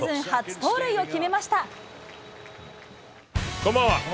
こんばんは。